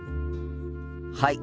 はい。